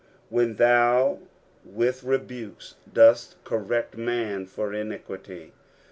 ''When thou, with rdnitti dott correct mnn for iniquity."